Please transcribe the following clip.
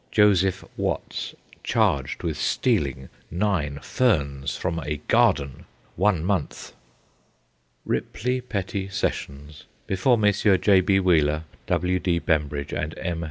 Joseph Watts, charged with stealing nine ferns from a garden. One month. Ripley Petty Sessions. Before Messrs. J. B. Wheeler, W. D. Bembridge, and M.